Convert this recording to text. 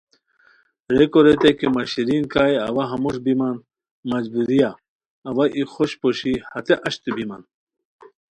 ریکو ریتائے کی مہ شیرین کائے اوا ہموݰ بیمان مجبوریہ، اوا ای خوشپ پوشی ہتے اچتو بیمان